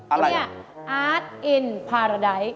อะไรล่ะนี่อาร์ตอินพาราไดก์